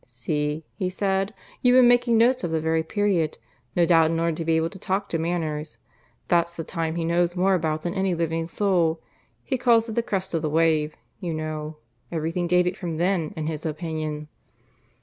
"See," he said, "you've been making notes of the very period no doubt in order to be able to talk to Manners. That's the time he knows more about than any living soul. He calls it the 'crest of the wave,' you know. Everything dated from then, in his opinion."